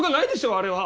あれは。